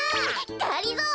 がりぞー。